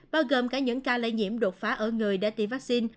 bao gồm cả những ca lây nhiễm đột phá ở người đã tiêm vắc xin